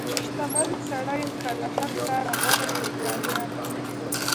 • شتمن سړی که د حق لار غوره کړي، کامیابه دی.